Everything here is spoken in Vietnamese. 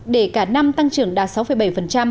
để cả năm tăng trưởng đạt sáu bảy